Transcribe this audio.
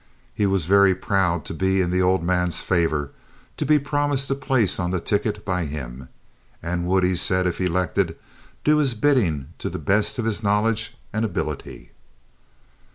He was very proud to be in the old man's favor—to be promised a place on the ticket by him—and would, he said, if elected, do his bidding to the best of his knowledge and ability.